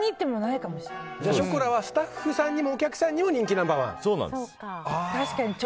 ショコラはスタッフさんにもお客さんにもナンバー１だと。